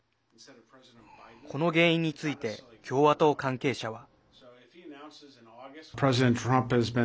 この原因について共和党関係者は。